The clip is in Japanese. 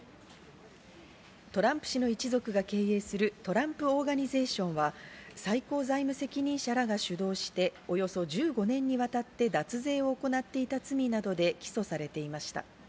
トランプ氏の一族が経営するトランプ・オーガニゼーションは最高財務責任者らが主導して、およそ１５年にわたって脱税を行っていた罪などで起訴されていました。